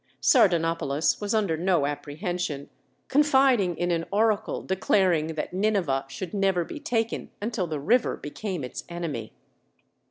Sardanapalus was under no apprehension, confiding in an oracle declaring that Nineveh should never be taken until the river became its enemy.